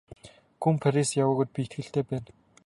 Гүн Парис яваагүйд би итгэлтэй байна.